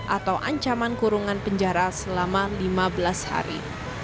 atau ancaman kurungan penjara selama lima belas hari